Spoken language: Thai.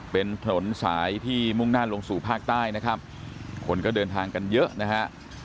เป็นถนนสายที่มุ่งหน้าลงสู่ภาคใต้นะครับคนก็เดินทางกันเยอะนะฮะ